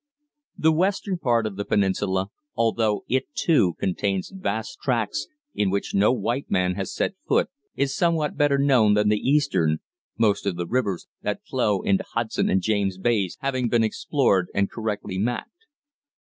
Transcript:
The western part of the peninsula, although it, too, contains vast tracts in which no white man has set foot, is somewhat better known than the eastern, most of the rivers that flow into Hudson and James Bays having been explored and correctly mapped.